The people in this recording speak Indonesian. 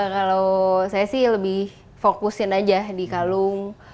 kalau saya sih lebih fokusin aja di kalung